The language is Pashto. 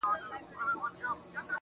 خو موږ د ګټي کار کي سراسر تاوان کړی دی